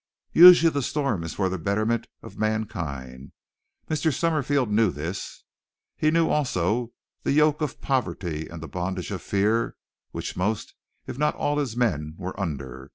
Usually the storm is for the betterment of mankind. Mr. Summerfield knew this. He knew also the yoke of poverty and the bondage of fear which most if not all his men were under.